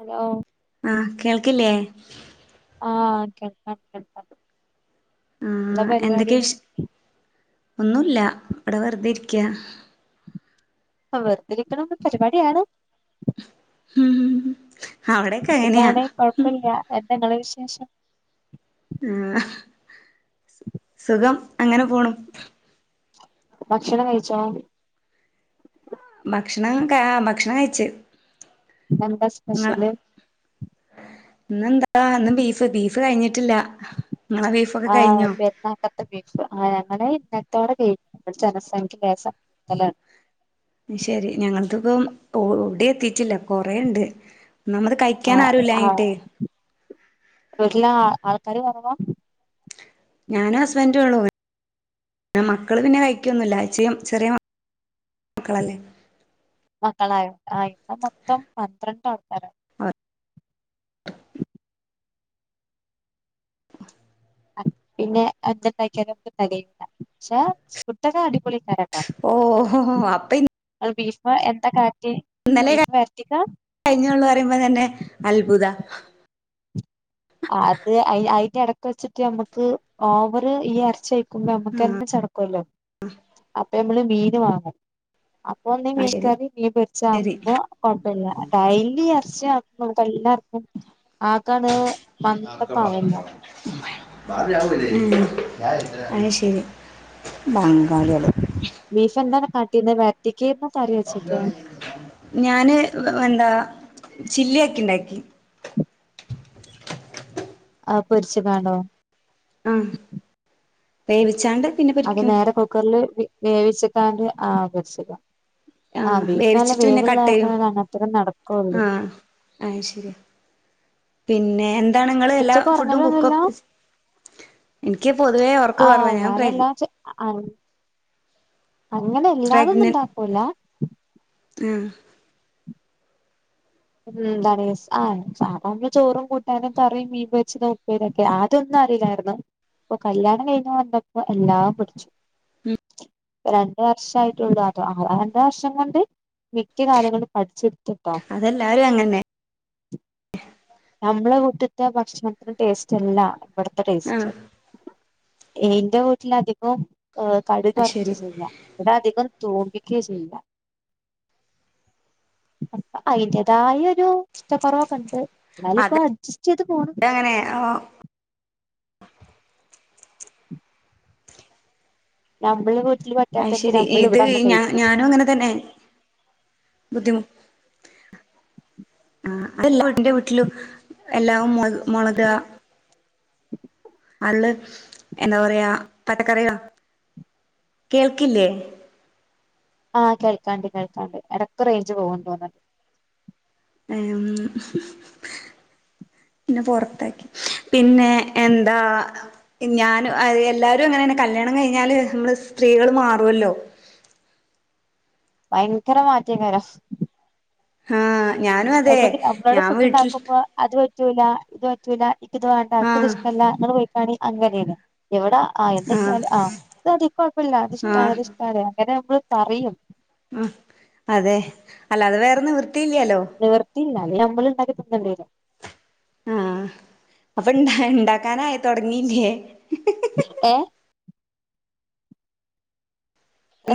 Hello. ആഹ് കേൾക്കില്ലേ. ആഹ് കേൾക്കാം കേൾക്കാം. എന്താ ആഹ് പരിപാടി എന്തൊക്കെയ വിശ് ഒന്നൂല്ല ഇവിടെ വെറുതെ ഇരിക്ക. അ വെറുതിരിക്കണൊരു പരിപാടിയാണ്. ഉം അവിടെക്കെ അങ്ങനെയാ സുഖാണെ കൊഴപ്പില്ല എന്തെങ്ങളെ വിശേഷം. ആഹ് സുഖം അങ്ങനെ പോണു. ഭക്ഷണം കഴിച്ചോ. ഭക്ഷണം ക ആഹ് ഭക്ഷണം കഴിച്ച്. ഇന്നെന്ത സ് ങ്ങളെ ഇന്നെന്താ ഇന്ന് ബീഫ് ബീഫ് കഴിഞ്ഞിട്ടില്ല ഇങ്ങളെ ബീഫ്. ആഹ് പെരുന്നാൾക്ക ബീഫ് ആഹ് ഞങ്ങെടെ ഇന്നത്തോടെ കഴിഞ്ഞ് ഇവെടെ ജനസംഖ്യ ലേസം കൂടുതലാണ്. അത്ശെരി ഞങ്ങളതിപ്പം എവ്ടി എത്തീട്ടില്ല കൊറേണ്ട് ഒന്നാമത് കൈ ആഹ് ആഹ് വീട്ടില ആൾക്കാര് കൊറവാ. ഞാനും ഹസ്ബന്ഡുള്ളൂ ഇവി പിന്നെ മക്കള് പിന്നെ കൈക്ക്യൊന്നുല്ല അചയും ചെറിയ മക്കളല്ലേ. മക്കളായ ആഹ് ഇവ്ടെ മൊത്തം പന്ത്രണ്ട് ആൾക്കാര. ആഹ് പിന്നെ എന്ത്ണ്ടാക്ക്യാലും നമക്ക് തെകയില്ല പക്ഷെ ഫുഡൊക്കെ അടിപൊളിക്കാരം. ഓഹോഹോ അപ്പനി അല്ല ബീഫ് എത്ത കാട്ടിയേ ബീഫ് വരട്ടിക്കാ. കഴിഞ്ഞള്ളു പറയുമ്പ തന്നെ അത്ഭുതാ. ആത് അയ് അയ്ന്റെ എടക്ക് വെച്ചിട്ട് നമുക്ക് ഓവർ ഈ ഇറച്ചായി ക്കുമ്പ ഞമ്മക്കെന്നെ ചടക്കുല്ലോ അപ്പൊ നമ്മള് മീന് വാങ്ങും. അപ്പൊ ഒന്നീ ആ മീൻ ശരി കറി മീൻ പൊരിച്ചാ ശരി അപ്പോ കൊഴപ്പില്ല ഡെയ്ലി ഇറ ച്ചി ആക്കുമ്പൊക്കെല്ലാർക്കും ആകാണ് മന്ദപ്പാവല്ലോ. ഉം അത് ശരി. ബംഗാള്യേള്. ബീഫ് എന്താണ് കാട്ടിന്ന് വരട്ടിക്കേന്നു കറി വെച്ചക്കെ. ഞാന് വെ എന്താ ചില്ലിയാക്കിണ്ടാക്കി. ആഹ് പൊരിച്ച്കാണ്ടോ. ആഹ് വേവിച്ചാണ്ട്. പിന്നെ അത് പൊരിക്കും നേരെ കുക്കറില് വി വേവിച്ച്ക്കാണ്ട് ആഹ് പൊരിച്ചക്കാ. ആ ആഹ് ബീഫ് നല്ല വേവിച്ചിട്ട് പിന്നെ വേവിള്ള കട്ട് കാരണം അങ്ങനത്തന്നെ നടക്കൊള്ളൂ. ആഹ് ശരിയാ പിന്നെ എന്താണ് നിങ്ങള് എല്ലാ ഉച്ചക്ക് ഫുഡും കുക്കൊ ഒറങ്ങലൊന്നുല്ല എനിക്ക് പൊതുവേ ഉറക്ക് കുറവാ ഞാൻ പ്രഗ് അ അ അങ്ങനെ എല്ലാതൊന്നും ഉണ്ടാക്കൂല. ആഹ്. ഉം എന്താറ്യോസ് ആഹ് സാധാരണ ചോറും കൂട്ടാനും കറിയും മീൻ പൊരിച്ചത് ഉപ്പേരിയൊക്കെ ആ ഇതൊന്നു അറീലായിരുന്നു ഇപ്പൊ കല്യാണം കഴിഞ്ഞ് വന്നപ്പോ എല്ലാം പടിച്ചു. രണ്ട് വർഷായിട്ടുള്ളു അവിടെ. ആ രണ്ട് വർഷം കൊണ്ട് മിക്ക കാര്യങ്ങളും പഠിച്ചെടുത്തു. ട്ടോ അതെല്ലാരും അങ്ങനെ നമ്മള് വീട്ടിത്തെ ഭക്ഷണത്തിൻ്റെ ടേസ്റ്റ് അല്ല, ഇവിടുത്തെ ആ ടേസ്റ്റ് എന്റെ വീട്ടില് അധികം കടുക് അത് ശരി വറുക്കുകയാ ചെയ്യുക ഇവിടെ അധികവും തോരൻ വെക്കുകയാ ചെയ്യുക. അപ്പം അതിന്റേതായ ഒരു ഇഷ്ട കുറവൊക്കെയുണ്ട്. എന്നാലും ഇപ്പോ അത് അഡ്ജസ്റ്റ് ചെയ്ത് പോണു അങ്ങനെ നമ്മളിപ്പോ അത് ശരി. ഇത് ഞാന്, ഞാനും അങ്ങനെ തന്നെ ബുദ്ധിമുട്ട് ആ അല്ല എന്റെ വീട്ടിലും എല്ലാം മുളക് [inaudible] അല്ല. എന്താ പറയാ പച്ചക്കറികളാ. കേൾക്കില്ലേ ആഹ് കേൾക്കാണ്ട്, കേൾക്കാണ്ട് ഇടക്കെ റേഞ്ച് പോകുന്നുന്ന്‌ തോന്നനുണ്ട് ഉം.... പിന്നെ പുറത്താക്കി. പിന്നെ എന്താ ഞാനും, എല്ലാരും അങ്ങനെ തന്നെ. യാണ് കല്യാണം കഴിഞ്ഞാല് നമ്മള് സ്ത്രീകള് മാറുമല്ലോ ഭയങ്കര മാറ്റക്കായിരുന്നു ആഹ് ഞാനും അതെ ഹസ്ബൻ്റിന് നമ്മള് ഞാൻ ഫുഡ് വീട്ടിൽ ഉണ്ടാക്കുമ്പോ അത് പറ്റൂല, ഇത് പറ്റൂല, എനിക്ക് ഇത് വേണ്ട, എനിക്ക് ഇത് ആഹ് ഇഷ്ടമല്ല. നിങ്ങൾ പോയി പണി അങ്ങനെയേനു. ഇവിടാ ആഹ് എന്ത് കിട്ടിയാലും ആ അത്, അത് കുഴപ്പമില്ല. അത് ഇഷ്ടാണ്, ആഹ് അത് ഇഷ്ടാണ് അങ്ങനെ നമ്മള് പറയും. ഉം അതെ അല്ലാതെ വേറേ നിവൃത്തിയില്ലല്ലോ. നിവർത്തിയില്ല. അല്ലെങ്കിൽ നമ്മളൾ ഉണ്ടാക്കി തിന്നേണ്ടി വരും. ആഹ്. അപ്പൊ ഇണ്ടാ, ഉണ്ടാക്കാനായി തുടങ്ങിയില്ലേ. ഏ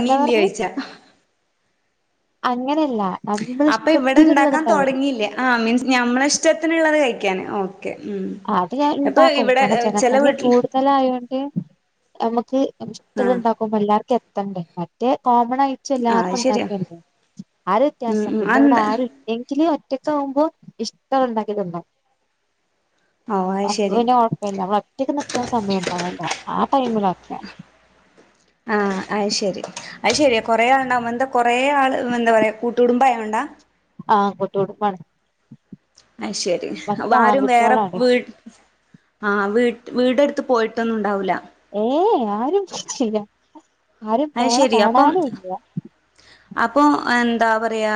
എന്താ പറഞ്ഞെ ആഴ്ച്ച അങ്ങനെയല്ല നമ്മള് അപ്പൊ ഇവിടെ ഇഷ്ടത്തിനുള്ളത് ഉണ്ടാക്കാൻ ഉണ്ടാവൂലേ തുടങ്ങിയില്ലേ. ആ മീൻസ് ഞമ്മള് ഇഷ്ടത്തിനുള്ളത് കഴിക്കാന്. ഓ ഓക്കേ. ഉം അത് അപ്പൊ ഇവിടെ ചെല വീട്ടിൽ ഇതെല്ലാം ആയോണ്ട് നമുക്ക് ഒരിഷ്ടം ആഹ് ഇല്ലാണ്ടാകും. അപ്പോ എല്ലാവർക്കും എത്തണ്ടേ. മറ്റേ കോമൺ ആയിട്ട്. വെച്ച് ആഹ് എല്ലാർക്കും അത് ശരിയാ ഉണ്ടാക്കണ്ടേ ആ ഒരു ഉം വ്യത്യാസം. ഉം പിന്നെ ഇവിടെ അതെന്താ ആരും എങ്കിലും ഒറ്റക്ക് ആകുമ്പോൾ ഇഷ്ടമുള്ളത് ഉണ്ടാക്കി തിന്നും ഓഹ് അത് അപ്പം ശരി പിന്നെ കുഴപ്പമില്ല. ഒറ്റയ്ക്ക് നിക്കുന്ന സമയം ഉണ്ടാവല്ലോ, ആ ടൈമിലാക്കിയ മതി. ആഹ്. അത് ശെരി, അത് ശരിയാ കൊറെ ആളുണ്ടാവുമ്പോൾ, എന്താ കൊറെ ആൾ, എന്താ പറയാ കൂട്ട് കുടുംബായകൊണ്ടാ. ആഹ് കൂട്ടുകുടുംബാണ് അത് ശെരി. അപ്പം ആരും വേറെ വീട് ആ വീട്, വീടെടുത്ത് പോയിട്ടൊന്നും ഉണ്ടാവില്ല. ഏയ് ആരും പോയിട്ടില്ല. ആരും അത് പോണ ശരി കാണാനും ഇല്ല. അപ്പം എന്താ പറയാ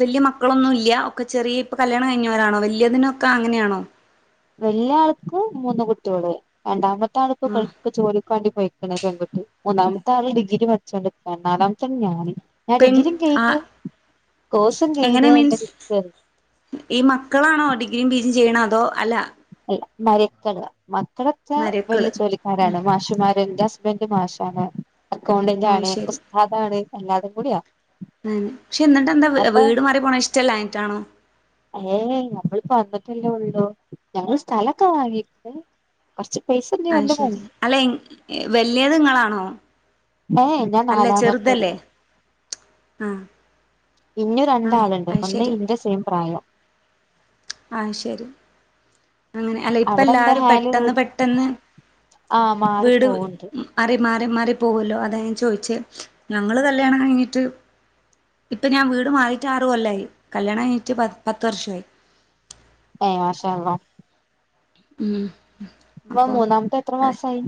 വലിയ മക്കളൊന്നും ഇല്ല. ഒക്കെ ചെറിയ, ഇപ്പൊ കല്യാണം കഴിഞ്ഞവരാണോ. വലിയതിനൊക്കെ അങ്ങനെയാണോ വലിയ ആൾക്കു മൂന്ന് കുട്ടികള്, രണ്ടാമത്തെ ആൾക്ക് ഉം ഇപ്പം ജോലി നാട്ടി പോയിക്കണ വന്നിട്ട് മൂന്നാമത്തെ ആള് ഡിഗ്രി പഠിച്ചുകൊണ്ടിരിക്കുന്നു നാലാമത്തെ ആളാണ് ഞാൻ ഞാൻ പെൺ ഡിഗ്രിയും ആ കഴിഞ്ഞു കോഴ്സും എങ്ങനെ കഴിഞ് അങ്ങനെ മീൻസ് ഇരിക്കാണ് ഈ മക്കളാണോ ഡിഗ്രിയും പി ജിയും ചെയ്യണ അതോ അല്ല അല്ല മരൊക്കള് മക്കളൊക്കെ വലിയ മരക്കള് ഉം ജോലിക്കാരാണ് മാഷുമാര് ഇന്റെ ഹസ് ബന്റ് മാഷാണ് അക്കൗണ്ടന്റ് ആ ആണ് ശരി ഉസ്താദാണ് എല്ലാതും കൂടിയാ ഏഹ് പക്ഷെ ഇന്നിട്ട് എന്താ അപ്പൊ വീട് മാറി പോണേ ഇഷ്ടല്ലാഞ്ഞിട്ടാണോ ഏയ് ഞമ്മളിപ്പോ വന്നിട്ടല്ലേ ഉള്ളു ഞങ്ങങ്ങള് സ്ഥലൊക്കെ വാങ്ങിക്ക്ണ് കുറച്ച് പൈസ ഇഞ്ഞ് അയ് ഓന്റെ ശരി മുമ്പ് അല്ല വല്യത്ങ്ങളാണോ ഏഹ് ഞാൻ നാലാമത്തത് ആഹ് ഇനിയും രണ്ടാളുണ്ട് ഒന്ന് ശരി ഇന്റെ സെയിം പ്രായം അഹ് ശെരി അങ്ങനെ അല്ല ഇപ്പ അവിടെ എന്താ എല്ലാരും ഹാല് പെട്ടെന്ന് പെട്ടെന്ന് ആഹ് മാറി വീട് പോവ്ണ്ട് മാറി മാറി മാറി പോവോല്ലോ അത ഞാൻ ചോയ്ച്ചേ ഞങ്ങള് കല്യാണം കഴിഞ്ഞിട്ട് ഇപ്പൊ ഞാൻ വീട് മാറിയിട്ട് ആറ് കൊല്ലായി കല്യാണം കഴിഞ്ഞിട്ട് പത്ത് വർഷായി ഏഹ് മാഷാ അല്ലാഹ് ഉം ഇപ്പൊ അപ്പൊ മൂന്നാമത്തെ എത്ര അത് മാസായി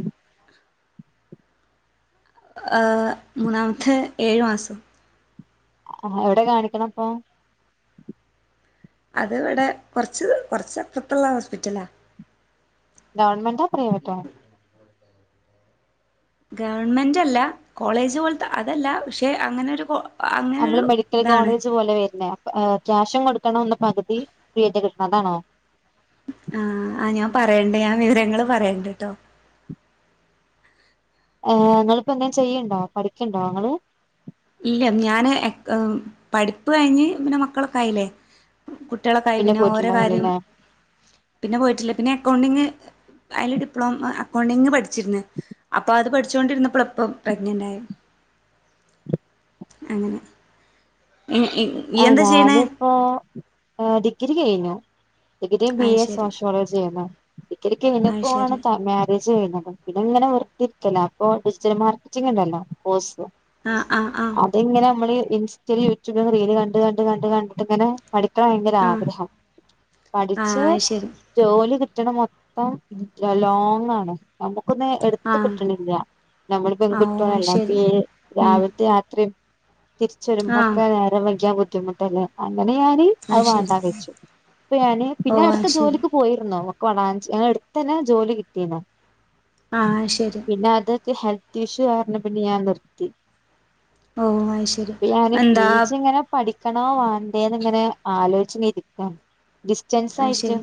ഏഹ് മൂന്നാമത്തെ ഏഴു മാസം ആഹ് എവിടെ കാണിക്കണേ അപ്പൊ അത് ഇവിടെ കൊറച്ച് കൊറച്ച് അപ്പുറത്തുള്ള ഹോസ്പിറ്റലാ ഗവൺമെന്റോ പ്രൈവറ്റോ ഗവൺമെന്റ്ല്ല കോളേജ് പോലത്തെ അതല്ല പക്ഷെ അങ്ങനൊരു കോ നമ്മള് മെഡിക്കൽ കോളേജ് പോലെ വരുന്നത് ഏഹ് ക്യാഷും കൊടുക്കണം എന്നാ പകുതി [unintelligible] കിട്ടണം അതാണോ ആഹ് ആഹ് ഞാൻ പറയണ്ട് ഞാൻ വിവരങ്ങള് പറയണ്ട്ട്ടോ ആഹ് നിങ്ങളിപ്പോ എന്തെങ്കിലും ചെയ്യുണ്ടോ പഠിക്കുണ്ടോ ഇങ്ങള് ഇല്ല ഞാന് പഠിപ്പ് കഴിഞ്ഞ് പിന്നെ മക്കളൊക്കായില്ലേ കുട്ട്യാളൊക്കായി പിന്നെ ഓരെ കാര്യം പിന്നെ പോയിട്ടില്ല പിന്നെ അക്കൗണ്ടിംഗ് അയ്ല് ഡിപ്ലോമ അക്കൗണ്ടിംഗ് പഠി ച്ചിരുന്നെ അപ്പൊ അത് പഠിച്ചൊണ്ടിരുന്നപ്പളാ ഇപ്പം പ്രഗ്നന്റ് ആയത് അങ്ങനെ ഇ ഇ ആഹ് ഞാനിപ്പോ ഏഹ് ഡിഗ്രി കഴിഞ്ഞു ഡിഗ്രി ബി അത് എ ശരി സോഷ്യോളജിയാ ചെയ്യുന്നേ ഡിഗ്രിക്ക് [unintelligible] പി അത് ശരി ജി ചെയ്യുന്നേ അപ്പൊ പിന്നെ ഇങ്ങനെ വെർതെ ഇരിക്കല്ലേ അപ്പൊ ഡിജിറ്റൽ മാർക്കറ്റിഗ് ഇണ്ടല്ലോ കോഴ്സ് ആഹ് ആഹ് ആഹ് ഇങ്ങള് നമ്മളീ ഇൻസ്റ്റയിലും യൂട്യൂബും റീല് കണ്ട് കണ്ട് കണ്ട് കണ്ടിട്ട് ഇങ്ങനെ പഠിക്കാൻ ഭയങ്കര ആഹ് ആഗ്രഹം ആഹ് പഠിച്ച് അത് ശരി ജോലി കിട്ടണ മൊത്തം ലോങ് ആണ് നമുക്കൊന്ന് എടുത്ത് ആഹ് കിട്ടണില്ല നമ്മള് ആഹ് ഓഹ് അത് പെൺകുട്ട്യാളല്ലെ അപ്പ ശരി ഈ ഉം രാവിലത്തെ യാത്രയും തിരിച്ച് ആഹ് വരുമ്പോക്കെ നേരം വൈകിയ ബുദ്ധിമുട്ടല്ലേ അങ്ങനെ ഞാന് അഹ് അത് വേണ്ടാ ശരി വെച്ചു അപ്പൊ ഞാന് പിന്നെ ഓഹ് അടുത്ത അത് ശരി ജോലിക്ക് പോയിരുന്നു [unintelligible] ഞങ്ങളെ അടുത്ത് തന്നെ ജോലി കിട്ടീന്നു ആഹ് അത് ശരി പിന്നെ അതൊക്കെ ഹെൽത്ത് പ്രതീക്ഷ കാരണം പിന്നെ ഞാൻ നിർത്തി ഓഹ് അത് ശരി പിന്നെ ഞാന് പി എന്താ ജി ഇങ്ങനെ പഠിക്കണോ വേണ്ടയോന്ന് ഇങ്ങനെ ആലോചിച്ച് ഇരിക്കാണ് ഡിസ്റ്റൻസ് അത് ആയിട്ട് ശരി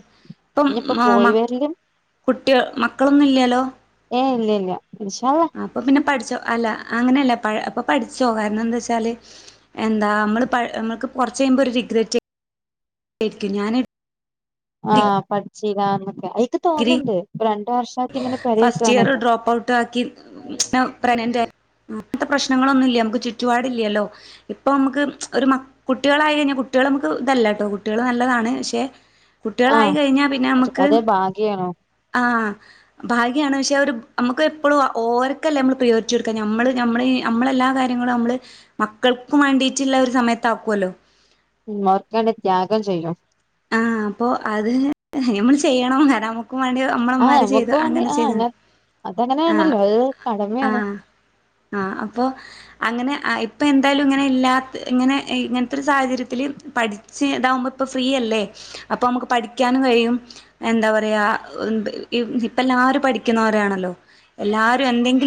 ഇപ്പം ഇനിയിപ്പോ മ പോയി മ വരലും കുട്ട്യാ മക്കളൊന്നും ഇല്ലാല്ലോ ഏഹ് ഇല്യ ഇല്യ ഇൻഷാ അള്ളാ അപ്പ പിന്നെ പഠിച്ചോ അല്ല അങ്ങനെയല്ല പഴ് അപ്പ പഠിച്ചോ കാരണം എന്താ വെച്ചാല് എന്താ നമ്മള് പ നമ്മക്ക് കുറച്ച് കഴിയുമ്പോ ഒരു റിഗ്രെറ്റേര്ക്കും ഞാന് ആഹ് പഠിച്ചിലാന്നൊക്കെ അത് ഇക്ക് ഡിഗ്രി തോന്ന്ണ്ട് ഇപ്പ രണ്ട് വർഷായിട്ട് ഇങ്ങനെ പെരേ ഇരിക്കാണല്ലോ ഓപ്പ് ഔട്ടാക്കി. ഞാൻ പ്രഗനന്റാ അങ്ങനത്തെ പ്രശ്നങ്ങളൊന്നുല്ല. നമുക്ക് ചുറ്റുപാടില്ല്യല്ലോ. ഇപ്പാ നമുക്ക് ഒരു മ കുട്ടികളായി കഴിഞ്ഞാ കുട്ടികൾ നമുക്ക് ഇതല്ലട്ടോ കുട്ടികൾ നല്ലതാണ് പക്ഷെ കുട്ടികളായി ആഹ് കഴിഞ്ഞാ പിന്നെ നമ്മക്ക് അതേ ഭാഗ്യാണ് ആഹ്. ഭാഗ്യാണ് പക്ഷെ അതൊരു നമ്മക്ക് എപ്പളും ഓര്ക്കെല്ലേ നമ്മള് പ്രയോരിറ്റി കൊടുക്ക നമ്മള് നമ്മള് ഈ നമ്മെളെല്ലാ കാര്യങ്ങളും നമ്മള് മക്കൾക്കും വാണ്ടീറ്റുള്ള ഒരു സമയത്ത് ആക്കുവല്ലോ. ഉമ്മാർക്കേണ്ടി ത്യാഗം ചെയ്യും ആഹ് അപ്പോ അത് ഞമ്മള് ചെയ്യണം കാരണം നമു വാണ്ടി നമ്മളമ്മാര് ചെയ്ത് അങ്ങനെ ചെയ്താണ് ആഹ് അതങ്ങനേണല്ലോ. അത് കടമേണ്. ആഹ് ആഹ് അപ്പൊ അങ്ങനെ ആ ഇപ്പം എന്തായാലും ഇങ്ങനെ ഇല്ലാത്ത ഇങ്ങനെ ഇങ്ങനെത്തെ ഒരു സാഹചര്യത്തില് പഠി ച്ച് ഇതാവുമ്പോ ഇപ്പ ഫ്രീയല്ലേ. അപ്പ നമ്മുക്ക് പഠിക്കാനും കഴിയും. എന്താ പറയാ. ങ് ഇപ്പ എല്ലാരും പഠിക്കുന്നോരാണല്ലോ. എല്ലാരും എന്തെങ്കിലും.